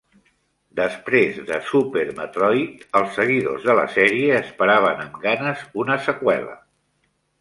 Després de "Super Metroid", els seguidors de la sèrie esperaven amb ganes una seqüela.